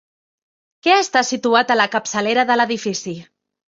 Què està situat a la capçalera de l'edifici?